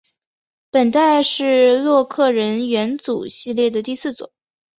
本代是洛克人元祖系列的第四作。